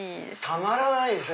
たまらないですね